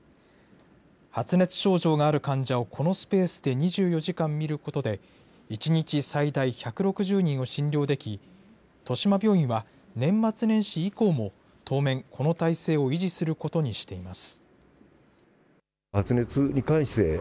発熱症状がある患者をこのスペースで２４時間診ることで、１日最大１６０人を診療でき、豊島病院は、年末年始以降も当面、この態勢を維持することにしています。